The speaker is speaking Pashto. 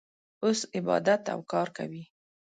اوس عبادت او کار کوي.